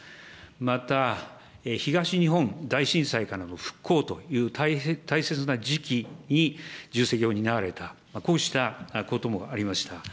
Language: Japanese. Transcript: また、東日本大震災からの復興という大切な時期に重責を担われた、こうしたこともありました。